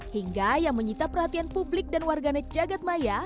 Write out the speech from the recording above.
hingga yang menyita perhatian publik dan warganet jagad maya